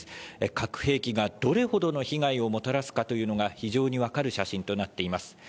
核兵器がどれほどの被害をもたらすかというのが、非常に分かる写真となっています。